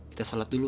kita sholat dulu